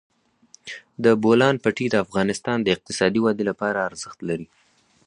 د بولان پټي د افغانستان د اقتصادي ودې لپاره ارزښت لري.